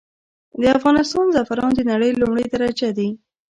د افغانستان زعفران د نړې لمړی درجه دي.